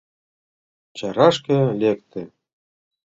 Чарашке лекте.